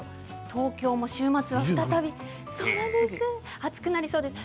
東京も週末は再び暑くなりそうです。